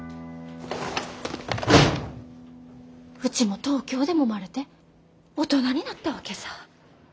うちも東京でもまれて大人になったわけさ。